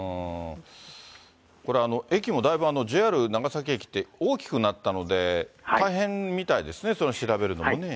これ、駅もだいぶ、ＪＲ長崎駅って大きくなったので、大変みたいですね、その調べるのもね。